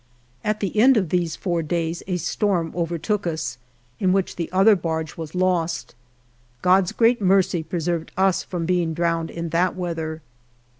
At the end of these four days a storm overtook us, in which the other barge was lost. 21 God's great mercy pre served us from being drowned in that weather.